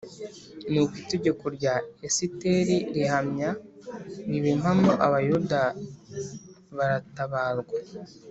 Nuko itegeko rya Esiteri rihamya riba impamo abayuda baratabarwa